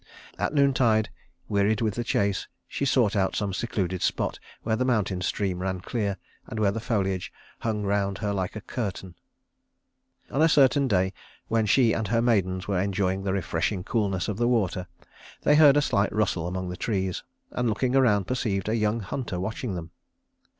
At noontide, wearied with the chase, she sought out some secluded spot where the mountain stream ran clear, and where the foliage hung round her like a curtain. [Illustration: Diana of Versailles] On a certain day, when she and her maidens were enjoying the refreshing coolness of the water, they heard a slight rustle among the trees, and looking around, perceived a young hunter watching them.